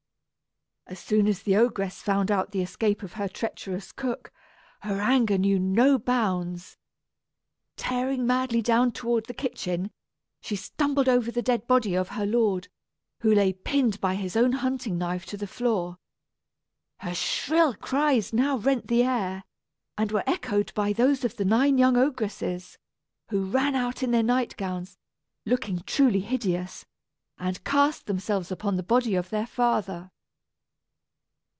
As soon as the ogress found out the escape of her treacherous cook, her anger knew no bounds. Tearing madly down toward the kitchen, she stumbled over the dead body of her lord, who lay pinned by his own hunting knife to the floor. Her shrill cries now rent the air, and were echoed by those of the nine young ogresses, who ran out in their night gowns, looking truly hideous, and cast themselves upon the body of their father.